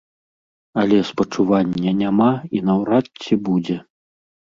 Але спачування няма і наўрад ці будзе.